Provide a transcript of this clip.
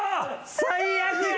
最悪や！